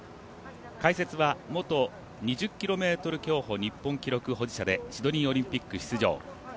解説は元２０ｋｍ競歩日本記録保持者でシドニーオリンピック出場